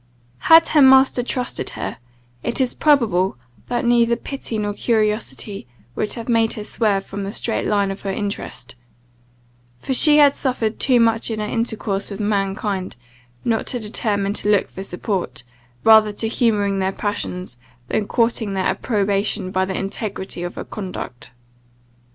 Had her master trusted her, it is probable that neither pity nor curiosity would have made her swerve from the straight line of her interest; for she had suffered too much in her intercourse with mankind, not to determine to look for support, rather to humouring their passions, than courting their approbation by the integrity of her conduct.